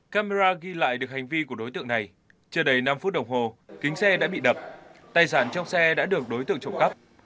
camera ghi lại được hành vi của đối tượng này chưa đầy năm phút đồng hồ kính xe đã bị đập tài sản trong xe đã được đối tượng trộm cắp